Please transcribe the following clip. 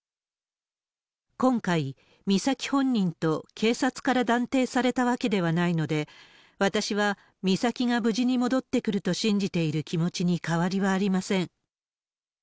今回、美咲本人と警察から断定されたわけではないので、私は、美咲が無事に戻ってくると信じている気持ちに変わりはありません。